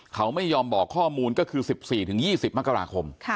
เขาไม่ยอมบอกข้อมูลก็คือ๑๔๒๐มกราคม